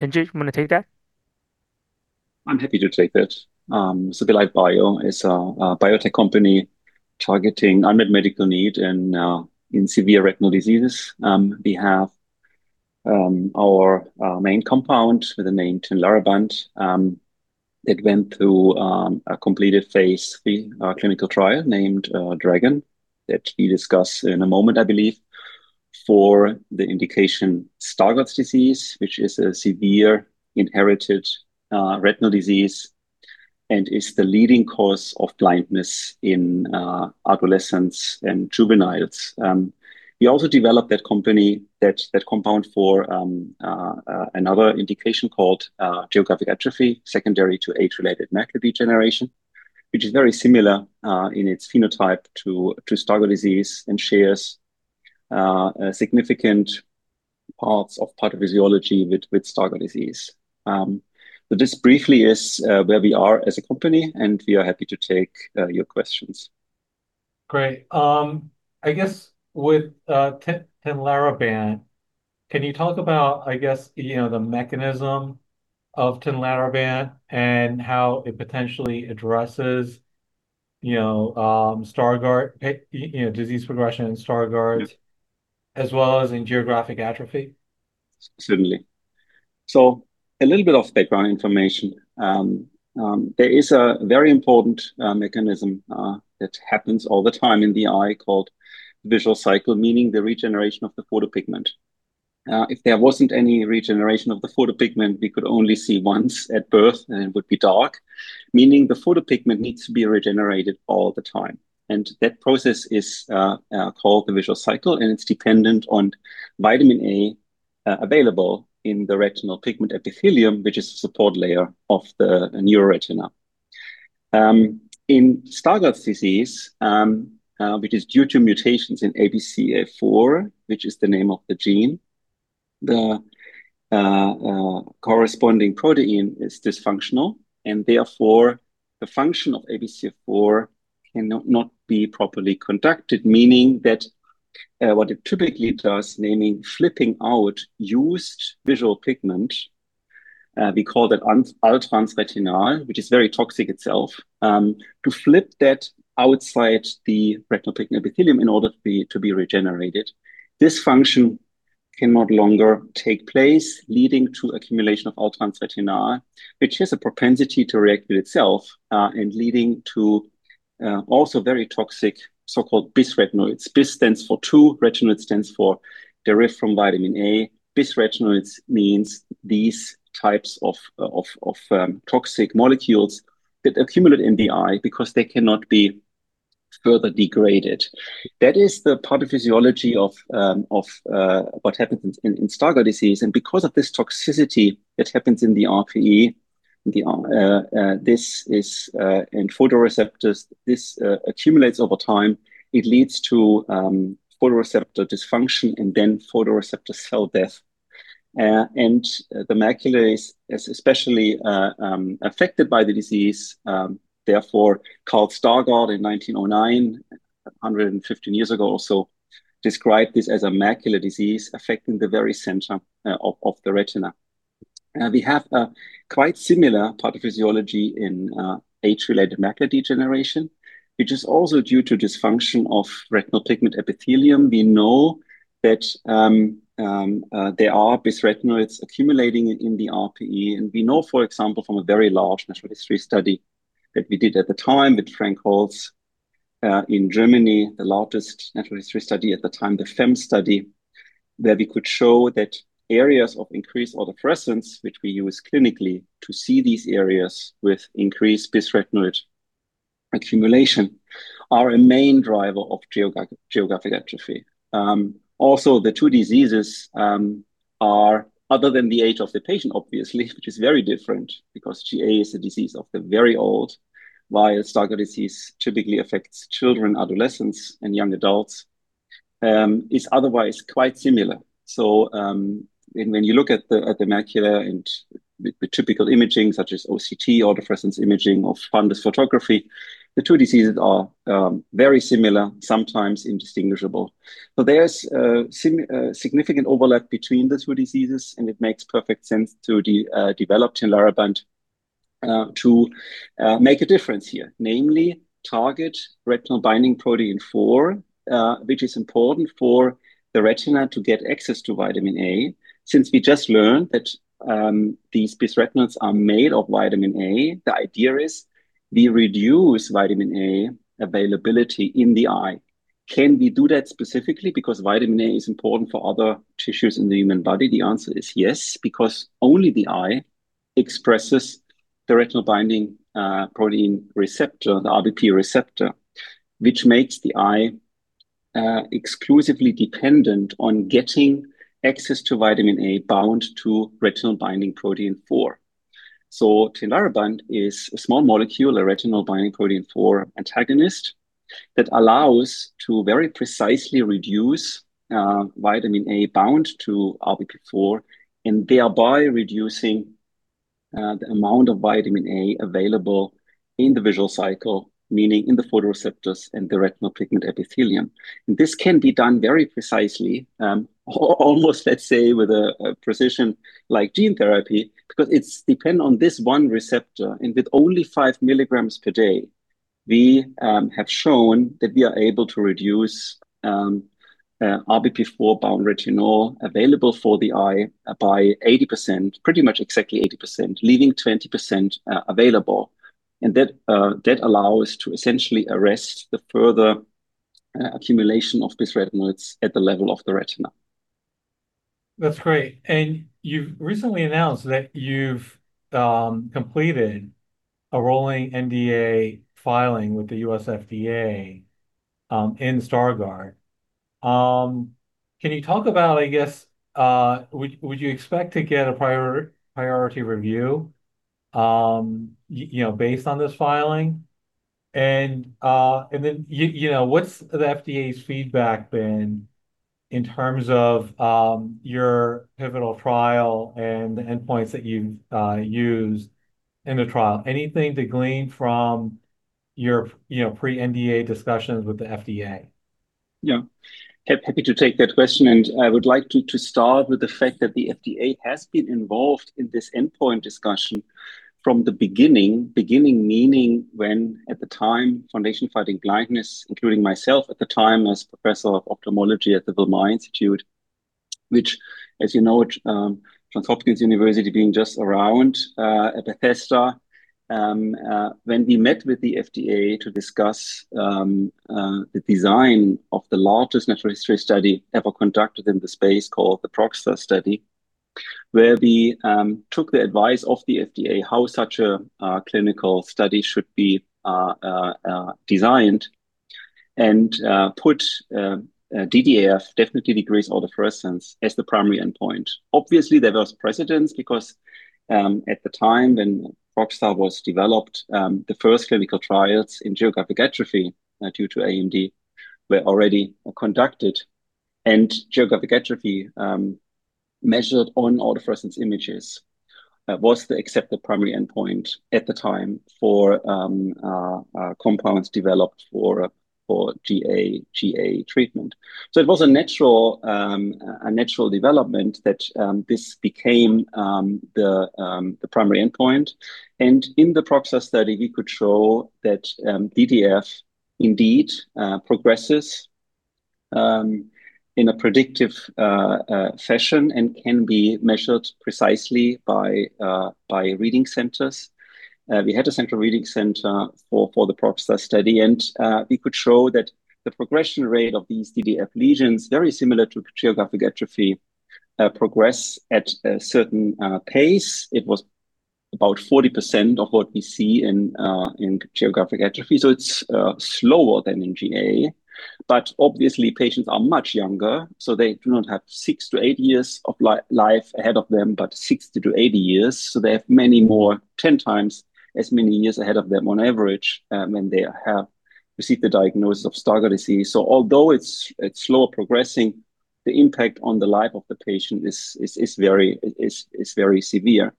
Hendrik, you want to take that? I'm happy to take that. Belite Bio is a biotech company targeting unmet medical need in severe retinal diseases. We have our main compound with the name Tinlarebant that went through a completed phase III clinical trial named DRAGON that we discuss in a moment, I believe, for the indication Stargardt disease, which is a severe inherited retinal disease and is the leading cause of blindness in adolescents and juveniles. We also developed that compound for another indication called geographic atrophy secondary to age-related macular degeneration, which is very similar in its phenotype to Stargardt disease and shares significant parts of pathophysiology with Stargardt disease. This briefly is where we are as a company, and we are happy to take your questions. Great. I guess with Tinlarebant, can you talk about the mechanism of Tinlarebant and how it potentially addresses disease progression in Stargardt as well as in geographic atrophy? Certainly. A little bit of background information. There is a very important mechanism that happens all the time in the eye called visual cycle, meaning the regeneration of the photopigment. If there wasn't any regeneration of the photopigment, we could only see once at birth, and it would be dark, meaning the photopigment needs to be regenerated all the time. That process is called the visual cycle, and it's dependent on vitamin A available in the retinal pigment epithelium, which is the support layer of the neuroretina. In Stargardt's disease, which is due to mutations in ABCA4, which is the name of the gene, the corresponding protein is dysfunctional, and therefore, the function of ABCA4 cannot be properly conducted, meaning that what it typically does, namely flipping out used visual pigment, we call that all-trans retinal, which is very toxic itself. To flip that outside the retinal pigment epithelium in order for it to be regenerated, this function can no longer take place, leading to accumulation of all-trans retinal, which has a propensity to react with itself, and leading to also very toxic so-called bisretinoids. Bis stands for two, retinoid stands for derived from vitamin A. Bisretinoids means these types of toxic molecules that accumulate in the eye because they cannot be further degraded. That is the pathophysiology of what happens in Stargardt disease. Because of this toxicity that happens in the RPE, in photoreceptors, this accumulates over time. It leads to photoreceptor dysfunction and then photoreceptor cell death. The macula is especially affected by the disease, therefore Karl in 1909, 115 years ago or so, described this as a macular disease affecting the very center of the retina. We have a quite similar pathophysiology in age-related macular degeneration, which is also due to dysfunction of retinal pigment epithelium. We know that there are bisretinoids accumulating in the RPE, and we know, for example, from a very large natural history study that we did at the time with Frank Holz in Germany, the largest natural history study at the time, the FAM-Study, where we could show that areas of increased autofluorescence, which we use clinically to see these areas with increased bisretinoid accumulation, are a main driver of geographic atrophy. The two diseases are, other than the age of the patient, obviously, which is very different because GA is a disease of the very old, while Stargardt disease typically affects children, adolescents, and young adults, is otherwise quite similar. When you look at the macula and the typical imaging such as OCT, autofluorescence imaging or fundus photography, the two diseases are very similar, sometimes indistinguishable. There is significant overlap between the two diseases, and it makes perfect sense to develop Tinlarebant to make a difference here, namely target retinol binding protein 4, which is important for the retina to get access to vitamin A. Since we just learned that these bisretinoids are made of vitamin A, the idea is we reduce vitamin A availability in the eye. Can we do that specifically because vitamin A is important for other tissues in the human body? The answer is yes, because only the eye expresses the retinal binding protein receptor, the RBP receptor, which makes the eye exclusively dependent on getting access to vitamin A bound to retinol binding protein 4. Tinlarebant is a small molecule, a retinol binding protein 4 antagonist that allows to very precisely reduce vitamin A bound to RBP4 and thereby reducing the amount of vitamin A available in the visual cycle, meaning in the photoreceptors and the retinal pigment epithelium. This can be done very precisely, almost, let's say, with a precision like gene therapy, because it's dependent on this one receptor. With only 5 milligrams per day, we have shown that we are able to reduce RBP4 bound retinol available for the eye by 80%, pretty much exactly 80%, leaving 20% available. That allow us to essentially arrest the further accumulation of these retinoids at the level of the retina. You've recently announced that you've completed a rolling NDA filing with the U.S. FDA in Stargardt. Can you talk about, I guess, would you expect to get a priority review based on this filing? What's the FDA's feedback been in terms of your pivotal trial and the endpoints that you've used in the trial? Anything to glean from your pre-NDA discussions with the FDA? Yeah. Happy to take that question. I would like to start with the fact that the FDA has been involved in this endpoint discussion from the beginning. Beginning meaning when, at the time, Foundation Fighting Blindness, including myself at the time as Professor of Ophthalmology at the Wilmer Eye Institute, which as you know, Johns Hopkins University being just around at Bethesda. When we met with the FDA to discuss the design of the largest natural history study ever conducted in the space called the ProgStar study, where we took the advice of the FDA, how such a clinical study should be designed and put DDAF, definitely decreased autofluorescence, as the primary endpoint. Obviously, there was precedence because at the time when ProgStar was developed, the first clinical trials in geographic atrophy due to AMD were already conducted, and geographic atrophy measured on autofluorescence images was the accepted primary endpoint at the time for compounds developed for GA treatment. It was a natural development that this became the primary endpoint. In the ProgStar study, we could show that DDAF indeed progresses in a predictive fashion and can be measured precisely by reading centers. We had a central reading center for the ProgStar study, and we could show that the progression rate of these DDAF lesions, very similar to geographic atrophy, progress at a certain pace. It was about 40% of what we see in geographic atrophy, so it's slower than in GA. Obviously patients are much younger, so they do not have 6 to 8 years of life ahead of them, but 60 to 80 years, so they have many more, 10 times as many years ahead of them on average, when they have received the diagnosis of Stargardt disease. Although it's slower progressing, the impact on the life of the patient is very severe.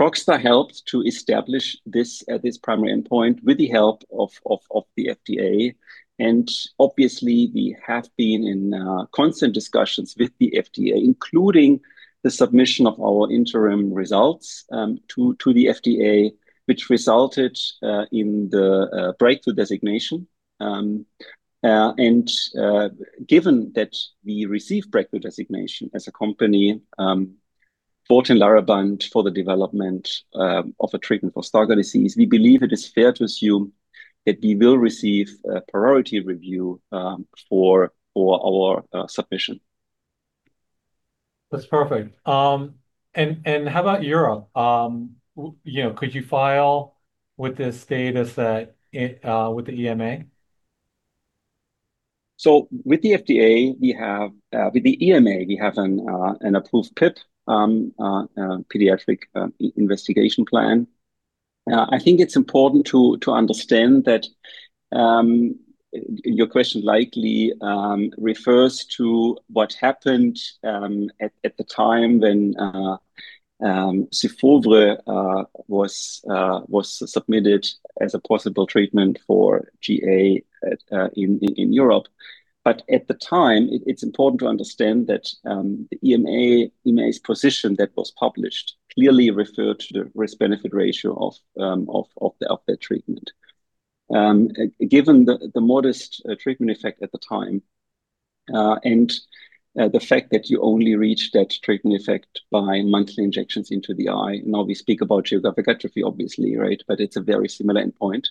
ProgStar helped to establish this primary endpoint with the help of the FDA. Obviously we have been in constant discussions with the FDA, including the submission of our interim results to the FDA, which resulted in the breakthrough designation. Given that we received breakthrough designation as a company for Tinlarebant for the development of a treatment for Stargardt disease, we believe it is fair to assume that we will receive a priority review for our submission. That's perfect. How about Europe? Could you file with this data set with the EMA? With the FDA, with the EMA, we have an approved PIP, pediatric investigation plan. I think it's important to understand that your question likely refers to what happened at the time when lampalizumab was submitted as a possible treatment for GA in Europe. At the time, it's important to understand that the EMA's position that was published clearly referred to the risk-benefit ratio of their treatment. Given the modest treatment effect at the time, and the fact that you only reach that treatment effect by monthly injections into the eye. Now we speak about geographic atrophy, obviously, right? It's a very similar endpoint.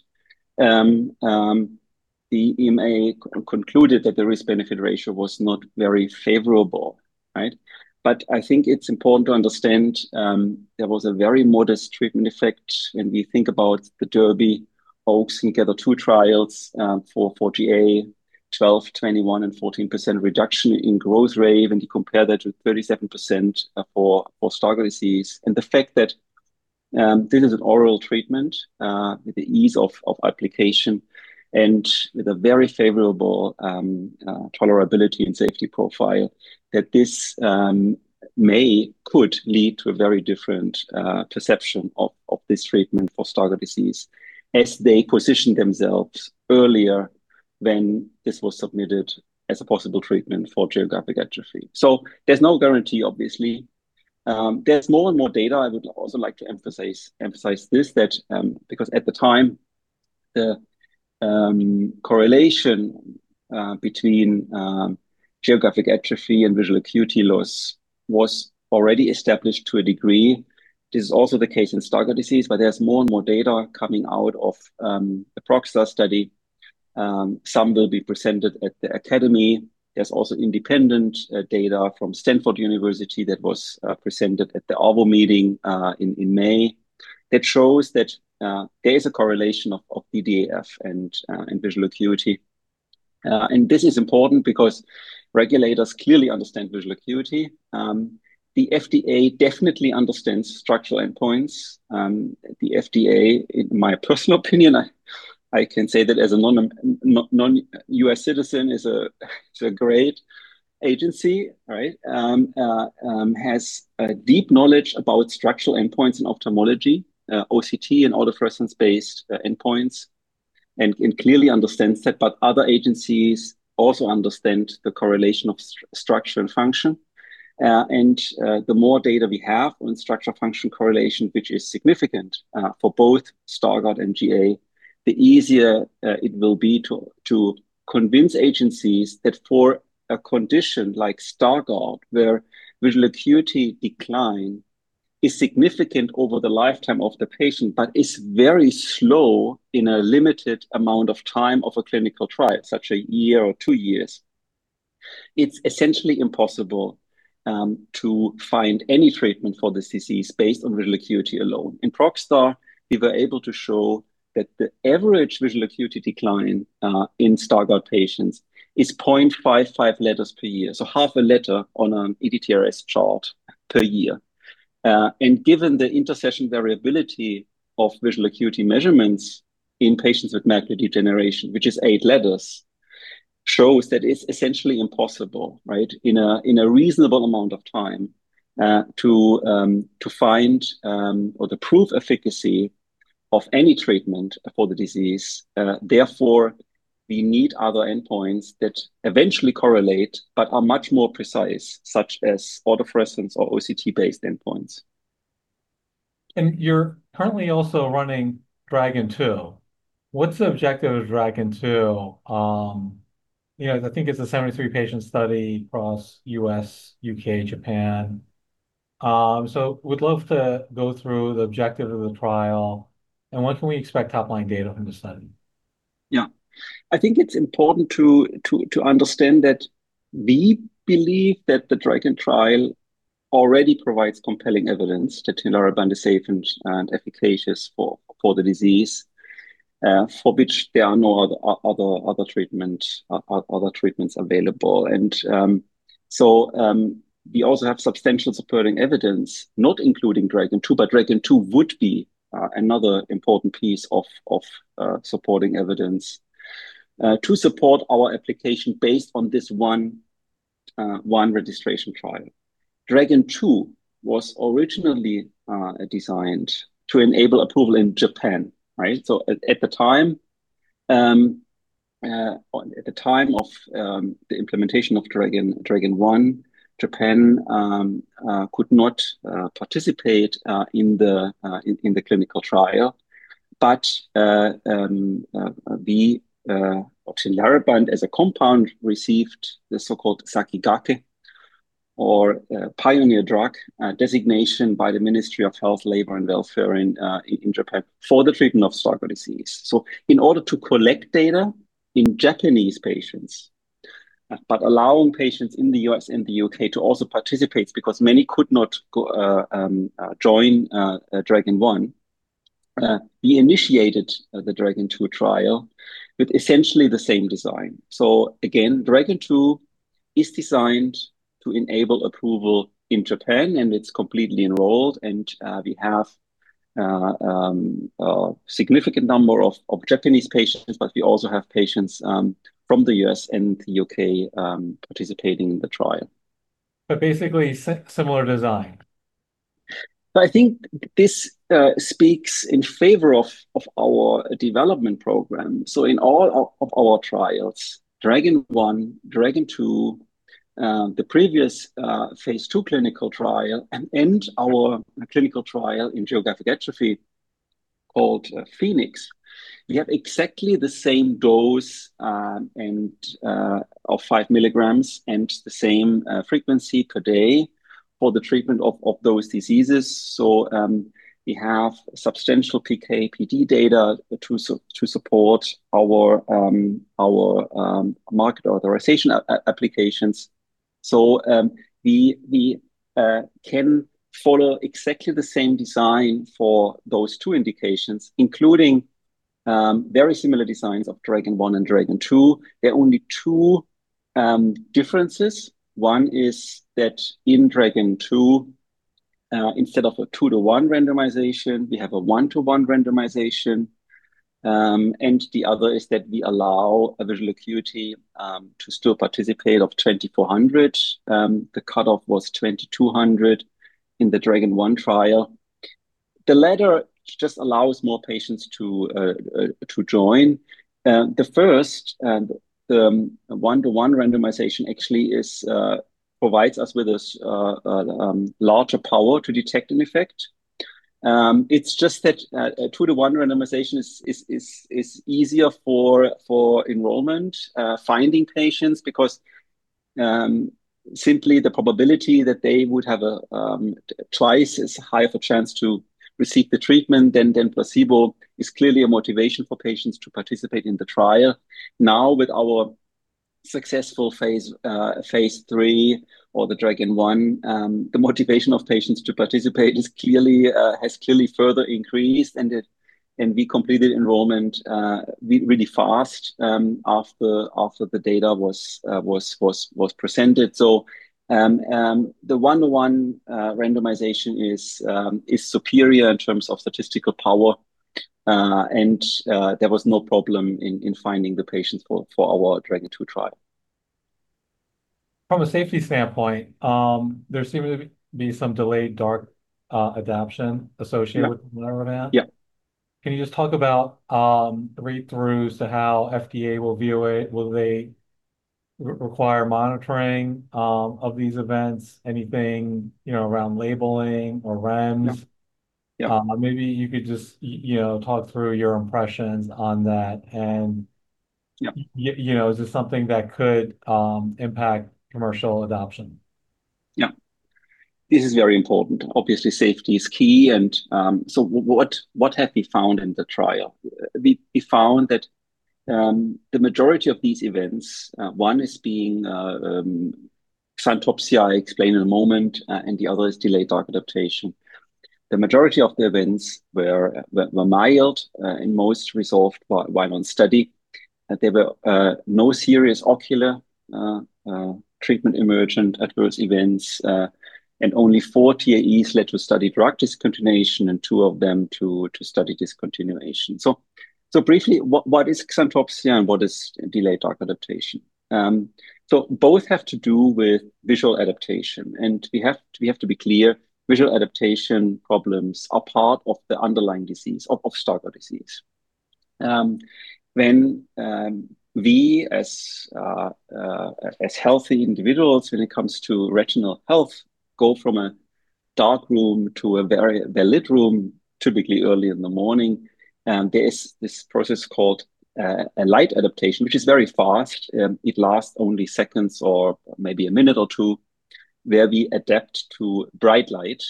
The EMA concluded that the risk-benefit ratio was not very favorable. Right? I think it's important to understand there was a very modest treatment effect when we think about the DERBY, OAKS, and GATHER2 trials for GA, 12%, 21%, and 14% reduction in growth rate when you compare that with 37% for Stargardt disease. The fact that this is an oral treatment with the ease of application and with a very favorable tolerability and safety profile that this may, could lead to a very different perception of this treatment for Stargardt disease as they position themselves earlier when this was submitted as a possible treatment for geographic atrophy. There's no guarantee, obviously. There's more and more data. I would also like to emphasize this, because at the time, the correlation between geographic atrophy and visual acuity loss was already established to a degree. This is also the case in Stargardt disease, there's more and more data coming out of the ProgStar study. Some will be presented at the Academy. There's also independent data from Stanford University that was presented at the ARVO meeting in May that shows that there is a correlation of DDAF and visual acuity. This is important because regulators clearly understand visual acuity. The FDA definitely understands structural endpoints. The FDA, in my personal opinion, I can say that as a non-U.S. citizen, is a great agency. Right? Has a deep knowledge about structural endpoints in ophthalmology, OCT, and autofluorescence-based endpoints, and clearly understands that. Other agencies also understand the correlation of structure and function. The more data we have on structure function correlation, which is significant for both Stargardt and GA, the easier it will be to convince agencies that for a condition like Stargardt, where visual acuity decline is significant over the lifetime of the patient, but is very slow in a limited amount of time of a clinical trial, such a year or two years, it's essentially impossible to find any treatment for this disease based on visual acuity alone. In ProgStar, we were able to show that the average visual acuity decline in Stargardt patients is 0.55 letters per year, so half a letter on an ETDRS chart per year. Given the intersession variability of visual acuity measurements in patients with macular degeneration, which is eight letters, shows that it's essentially impossible, right, in a reasonable amount of time to find or to prove efficacy of any treatment for the disease. Therefore, we need other endpoints that eventually correlate but are much more precise, such as autofluorescence or OCT-based endpoints. You're currently also running DRAGON II. What's the objective of DRAGON II? I think it's a 73-patient study across U.S., U.K., Japan. Would love to go through the objective of the trial and when can we expect top-line data from the study? Yeah. I think it's important to understand that we believe that the DRAGON trial already provides compelling evidence that Tinlarebant is safe and efficacious for the disease, for which there are no other treatments available. We also have substantial supporting evidence, not including DRAGON II, but DRAGON II would be another important piece of supporting evidence to support our application based on this one registration trial. DRAGON1 was originally designed to enable approval in Japan. Right? At the time of the implementation of DRAGON1, Japan could not participate in the clinical trial. The Tinlarebant as a compound received the so-called Sakigake, or pioneer drug designation by the Ministry of Health, Labour and Welfare in Japan for the treatment of Stargardt disease. In order to collect data in Japanese patients, but allowing patients in the U.S. and the U.K. to also participate because many could not join DRAGON1, we initiated the DRAGON II trial with essentially the same design. DRAGON II is designed to enable approval in Japan, and it's completely enrolled. We have a significant number of Japanese patients, but we also have patients from the U.S. and the U.K. participating in the trial. Basically, similar design. I think this speaks in favor of our development program. In all of our trials, DRAGON1, DRAGON II, the previous phase II clinical trial, and our clinical trial in geographic atrophy called PHOENIX, we have exactly the same dose of five milligrams and the same frequency per day for the treatment of those diseases. We have substantial PK/PD data to support our market authorization applications. We can follow exactly the same design for those two indications, including very similar designs of DRAGON1 and DRAGON II. There are only two differences. One is that in DRAGON II, instead of a 2-to-1 randomization, we have a 1-to-1 randomization. The other is that we allow a visual acuity to still participate of 2,400. The cutoff was 2,200 in the DRAGON1 trial. The latter just allows more patients to join. The first, the 1-to-1 randomization actually provides us with a larger power to detect an effect. It's just that a 2-to-1 randomization is easier for enrollment, finding patients because simply the probability that they would have twice as high of a chance to receive the treatment than placebo is clearly a motivation for patients to participate in the trial. Now with our successful phase III or the DRAGON1, the motivation of patients to participate has clearly further increased, and we completed enrollment really fast after the data was presented. The 1-to-1 randomization is superior in terms of statistical power. There was no problem in finding the patients for our DRAGON II trial. From a safety standpoint, there seemed to be some delayed dark adaptation associated with- Yeah. event. Yeah. Can you just talk about read-throughs to how FDA will view it? Will they require monitoring of these events? Anything around labeling or REMS? Yeah. Maybe you could just talk through your impressions on that and- Yeah. Is this something that could impact commercial adoption? Yeah. This is very important. Obviously, safety is key. What have we found in the trial? We found that the majority of these events, one is being xanthopsia, I'll explain in a moment, and the other is delayed dark adaptation. The majority of the events were mild, and most resolved while on study. There were no serious ocular treatment emergent adverse events. Only four TEAEs led to study drug discontinuation and two of them to study discontinuation. Briefly, what is xanthopsia and what is delayed dark adaptation? Both have to do with visual adaptation, and we have to be clear, visual adaptation problems are part of the underlying disease, of Stargardt disease. When we as healthy individuals when it comes to retinal health go from a dark room to a very well-lit room, typically early in the morning, there is this process called a light adaptation, which is very fast. It lasts only seconds or maybe a minute or two, where we adapt to bright light.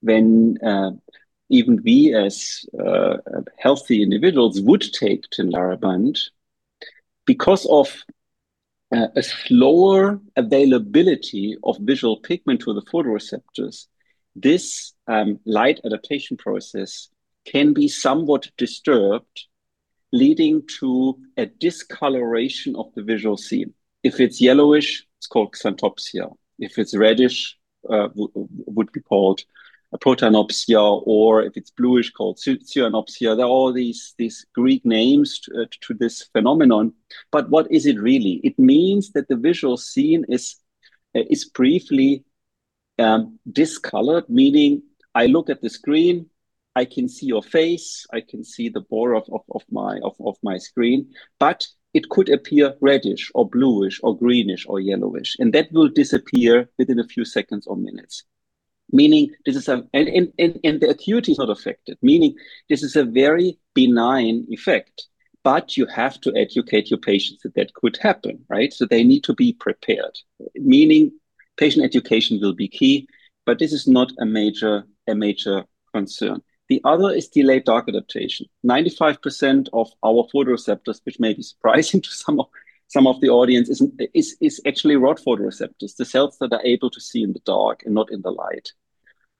When even we as healthy individuals would take Tinlarebant, because of a slower availability of visual pigment to the photoreceptors, this light adaptation process can be somewhat disturbed, leading to a discoloration of the visual scene. If it's yellowish, it's called xanthopsia. If it's reddish, would be called erythropsia, or if it's bluish, called cyanopsia. There are all these Greek names to this phenomenon. What is it really? It means that the visual scene is briefly discolored, meaning I look at the screen, I can see your face, I can see the border of my screen, but it could appear reddish or bluish or greenish or yellowish, and that will disappear within a few seconds or minutes. The acuity is not affected, meaning this is a very benign effect. You have to educate your patients that that could happen, right? They need to be prepared, meaning patient education will be key. This is not a major concern. The other is delayed dark adaptation. 95% of our photoreceptors, which may be surprising to some of the audience, is actually rod photoreceptors, the cells that are able to see in the dark and not in the light.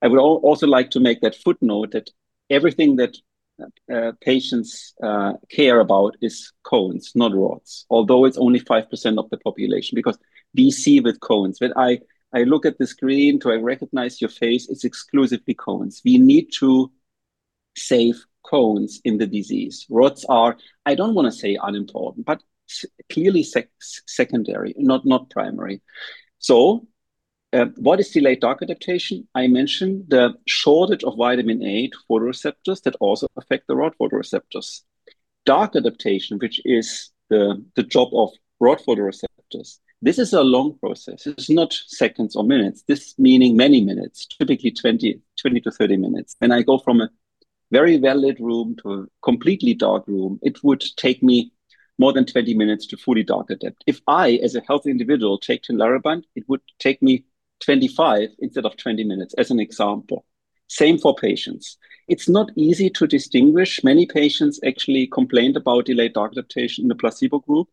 I would also like to make that footnote that everything that patients care about is cones, not rods. Although it is only 5% of the population because we see with cones. When I look at the screen to recognize your face, it is exclusively cones. We need to save cones in the disease. Rods are, I do not want to say unimportant, but clearly secondary, not primary. What is delayed dark adaptation? I mentioned the shortage of vitamin A to photoreceptors that also affect the rod photoreceptors. Dark adaptation, which is the job of rod photoreceptors, this is a long process. It is not seconds or minutes. This meaning many minutes, typically 20 to 30 minutes. When I go from a very well-lit room to a completely dark room, it would take me more than 20 minutes to fully dark adapt. If I, as a healthy individual, take Tinlarebant, it would take me 25 instead of 20 minutes, as an example. Same for patients. It is not easy to distinguish. Many patients actually complained about delayed dark adaptation in the placebo group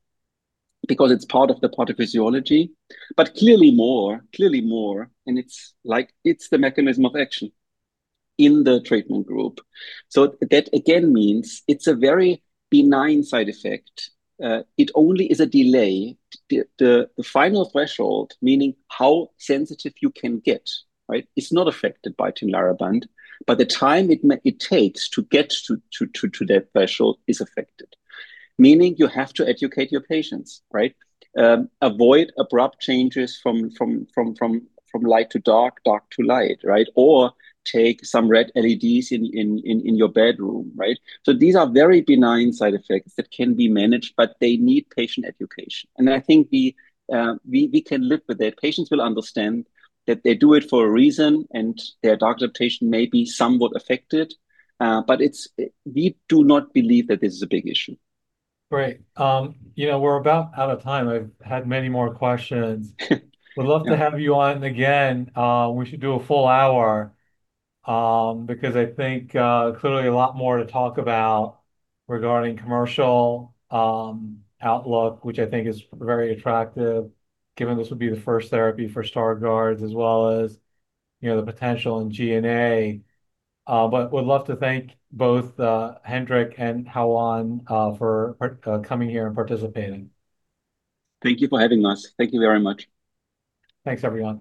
because it is part of the pathophysiology. Clearly more, and it is the mechanism of action in the treatment group. That again means it is a very benign side effect. It only is a delay. The final threshold, meaning how sensitive you can get, right, is not affected by Tinlarebant. The time it takes to get to that threshold is affected, meaning you have to educate your patients, right? Avoid abrupt changes from light to dark to light, right? Take some red LEDs in your bedroom, right? These are very benign side effects that can be managed, but they need patient education. I think we can live with that. Patients will understand that they do it for a reason and their dark adaptation may be somewhat affected. We do not believe that this is a big issue. Great. We are about out of time. I had many more questions. Would love to have you on again. We should do a full hour, because I think clearly a lot more to talk about regarding commercial outlook, which I think is very attractive given this would be the first therapy for Stargardt disease as well as the potential in GA. Would love to thank both Hendrik and Haohan for coming here and participating. Thank you for having us. Thank you very much. Thanks, everyone.